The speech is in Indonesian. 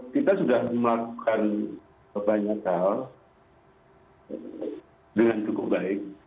kita sudah melakukan banyak hal dengan cukup baik